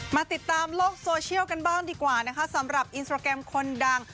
มาติดตามโลกโซเชียลกันบ้างดีกว่านะคะสำหรับอินสตราแกรมคนดัง